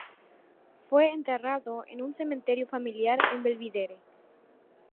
Fue enterrado en un cementerio familiar en Belvidere.